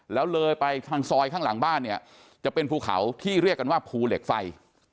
แล้วเลยไปทางซอยข้างหลังบ้านเนี่ยจะเป็นภูเขาที่เรียกกันว่าภูเหล็กไฟ